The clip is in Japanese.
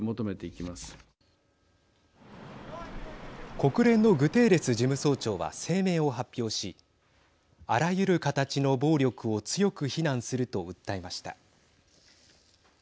国連のグテーレス事務総長は声明を発表しあらゆる形の暴力を強く非難すると訴えました。